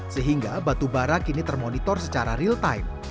sehingga batubara kini termonitor secara real time